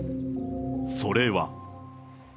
それは。